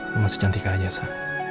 masih cantik aja sa